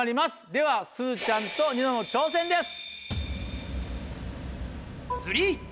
ではすずちゃんとニノの挑戦です。